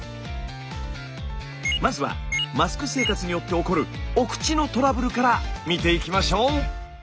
まずはマスク生活によって起こるお口のトラブルから見ていきましょう！